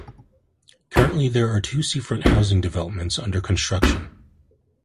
Currently, there are two seafront housing developments under construction.